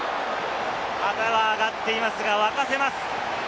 旗が上がっていますが、沸かせます。